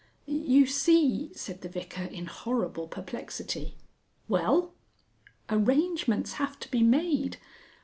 "You see," said the Vicar in horrible perplexity. "Well?" "Arrangements have to be made."